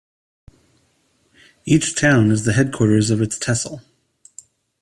Each town is the headquarters of its tehsil.